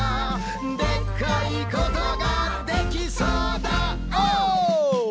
「でっかいことができそうだおー！」